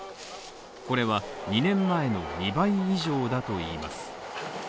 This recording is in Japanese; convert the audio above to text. これは２年前の２倍以上だといいます。